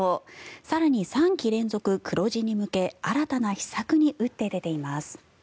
更に、３期連続黒字に向け新たな秘策に打って出ています。